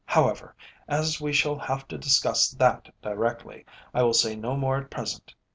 However, as we shall have to discuss that directly, I will say no more at present.